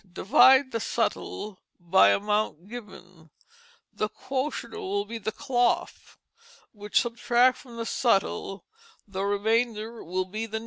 Divide the Suttle by amount given; the Quotient will be the Cloff which subtract from the Suttle the Remainder will be the Neat."